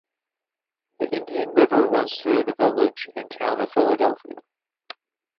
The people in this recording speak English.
The Indian River runs through the village and Town of Philadelphia.